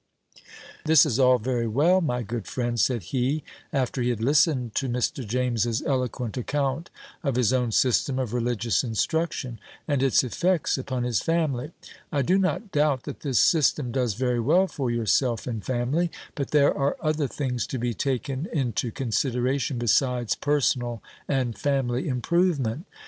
"This is all very well, my good friend," said he, after he had listened to Mr. James's eloquent account of his own system of religious instruction, and its effects upon his family; "I do not doubt that this system does very well for yourself and family; but there are other things to be taken into consideration besides personal and family improvement.